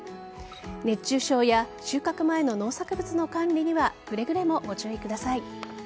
熱中症や収穫前の農作物の管理にはくれぐれもご注意ください。